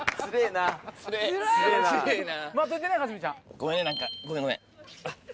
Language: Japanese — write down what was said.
ごめんね何かごめんごめん。